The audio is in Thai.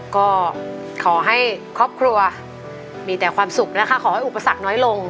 ก็ขอให้ครอบครัวมีแต่ความสุขนะคะขอให้อุปสรรคน้อยลง